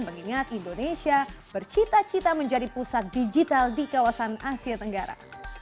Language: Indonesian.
mengingat indonesia bercita cita menjadi pusat digital di kawasan asia tenggara